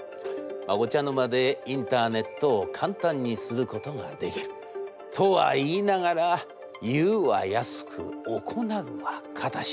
お茶の間でインターネットを簡単にすることができる。とは言いながら『言うは易く行うは難し』。